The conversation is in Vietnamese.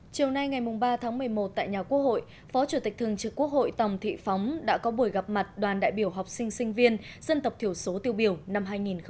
chiều nay ngày ba tháng một mươi một tại nhà quốc hội phó chủ tịch thường trực quốc hội tòng thị phóng đã có buổi gặp mặt đoàn đại biểu học sinh sinh viên dân tộc thiểu số tiêu biểu năm hai nghìn một mươi chín